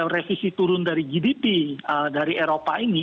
revisi turun dari gdp dari eropa ini